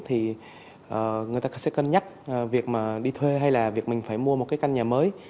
thì người ta sẽ cân nhắc việc mà đi thuê hay là việc mình phải mua một cái căn nhà mới